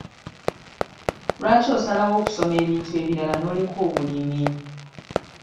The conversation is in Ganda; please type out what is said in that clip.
Lwaki osalawo okusoma ebintu ebirala n'oleka obulimi?